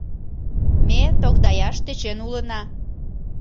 Ме тогдаяш тӧчен улына...